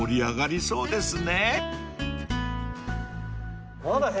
そうですね。